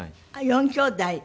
４きょうだい？